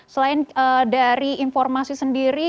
selain dari informasi sendiri